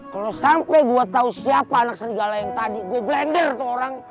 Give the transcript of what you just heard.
kalo sampe gue tau siapa anak serigala yang tadi gue blender tuh orang